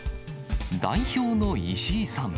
代表の石井さん。